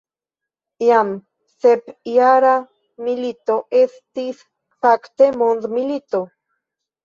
Jam sepjara milito estis fakte mondmilito.